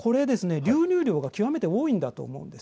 流入量が極めて多いということだと思うんです。